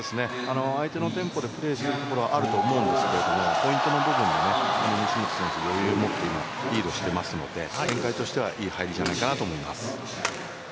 相手のテンポでプレーしているところはあると思うんですけどポイントの部分で西本選手、余裕持ってリードしていますので展開としてはいい入りじゃないかなと思います。